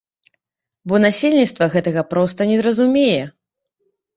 Бо насельніцтва гэтага проста не зразумее.